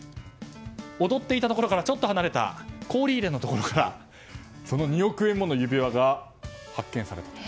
踊っていたところからちょっと離れた氷入れのところから２億円の指輪が発見されたと。